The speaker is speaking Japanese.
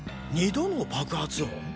２度の爆発音